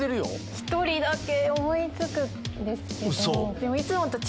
１人だけ思い付くんですけど。